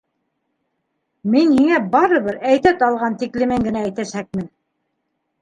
Мин һиңә барыбер әйтә алған тиклемен генә әйтәсәкмен!